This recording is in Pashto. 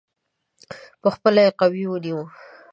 په خپله یې قدرت ونیوی.